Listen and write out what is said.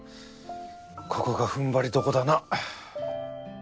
ここが踏ん張りどこだな。